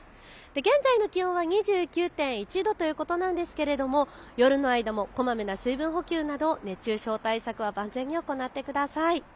現在の気温は２９．１度ということなんですけれども夜の間もこまめな水分補給など熱中症対策は万全に行ってください。